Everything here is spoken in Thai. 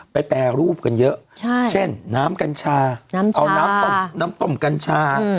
แปรรูปกันเยอะเช่นน้ำกัญชาเอาน้ำต้มน้ำต้มกัญชา